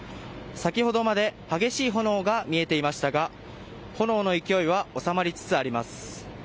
先ほどまで激しい炎が見えていましたが炎の勢いは収まりつつあります。